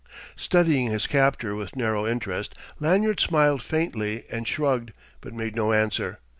Studying his captor with narrow interest, Lanyard smiled faintly and shrugged, but made no answer.